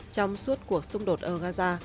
trong suốt cuộc xung đột ở gaza